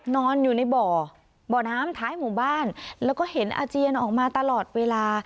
นอนอยู่ในบ่อบ่อน้ำท้ายหมู่บ้านแล้วก็เห็นอาเจียนออกมาตลอดเวลา